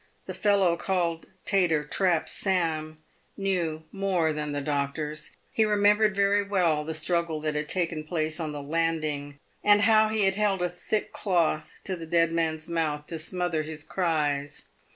The fellow called Tater trap Sam knew more than the doctors. He re membered very well the struggle that had taken place on the land ing, and how he held a thick cloth to the dead' man's mouth to smother his cries.